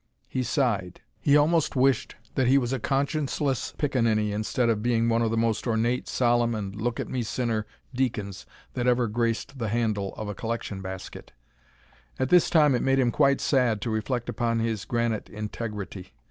He sighed; he almost wished that he was again a conscienceless pickaninny, instead of being one of the most ornate, solemn, and look at me sinner deacons that ever graced the handle of a collection basket. At this time it made him quite sad to reflect upon his granite integrity.